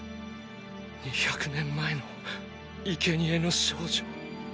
２００年前の生贄の少女。